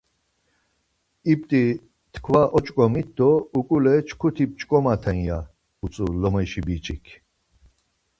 İpti tkva oç̌ǩomit do uǩule çkuti p̌ç̌ǩomaten ya utzu lomeşi biç̌ik.